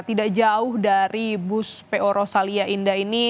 tidak jauh dari bus po rosalia indah ini